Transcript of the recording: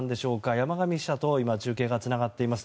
山上記者と今、中継がつながっています。